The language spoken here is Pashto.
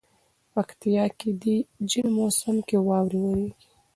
پکتيا کي دي ژمي موسم کي واوري وريږي